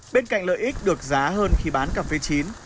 bên cạnh lợi ích được giá hơn khi bán cà phê chín